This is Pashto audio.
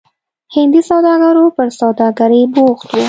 هندي سوداګرو پر سوداګرۍ بوخت وو.